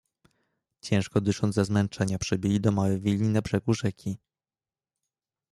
"Ciężko dysząc ze zmęczenia przybyli do małej willi na brzegu rzeki."